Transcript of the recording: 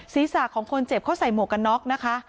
ศีรษะของคนเจ็บเขาใส่หมวกกันน็อกนะคะ